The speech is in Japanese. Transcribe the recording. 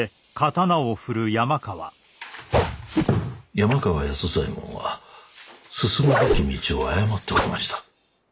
山川安左衛門は進むべき道を誤っておりました。